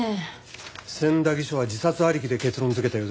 千駄木署は自殺ありきで結論づけたようですね。